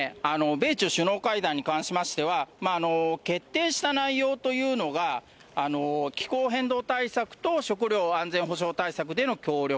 米中首脳会談に関しましては、決定した内容というのが、気候変動対策と食料安全保障対策での協力、